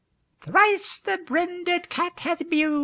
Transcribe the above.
Thrice the brinded cat hath mew'd.